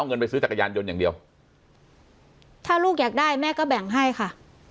เงินไปซื้อจักรยานยนต์อย่างเดียวถ้าลูกอยากได้แม่ก็แบ่งให้ค่ะ